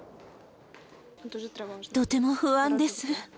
とても不安です。